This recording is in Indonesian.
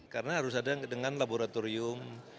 karena harus ada dengan laboratorium